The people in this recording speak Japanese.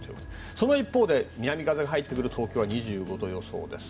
その一方で南風が入ってくる東京は２５度予想です。